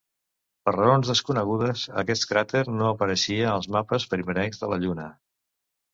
Per raons desconegudes, aquest cràter no apareixia als mapes primerencs de la Lluna.